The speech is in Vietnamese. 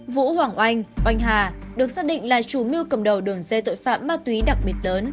vũ hoàng oanh oanh hà được xác định là chủ mưu cầm đầu đường dây tội phạm ma túy đặc biệt lớn